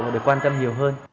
để quan tâm nhiều hơn